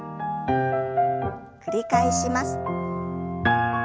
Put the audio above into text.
繰り返します。